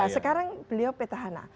sekarang beliau petahana